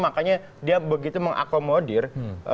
makanya dia begitu mengakomodir